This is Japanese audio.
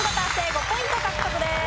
５ポイント獲得です。